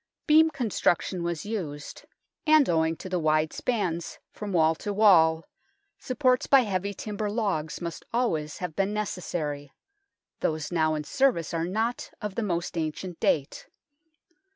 Beam construction was used, and owing to the wide 32 THE TOWER OF LONDON spans from wall to wall supports by heavy timber logs must always have been necessary ; those now in service are not of the most ancient date.